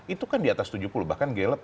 itu kan diatas tujuh puluh bahkan gelap